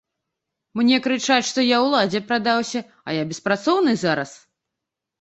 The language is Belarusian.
Мне крычаць, што я ўладзе прадаўся, а я беспрацоўны зараз.